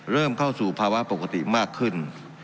เข้าสู่ภาวะปกติมากขึ้น